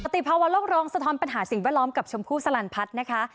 ติภาวะโลกร้องสะท้อนปัญหาสิ่งแวดล้อมกับชมพู่สลันพัฒน์นะคะ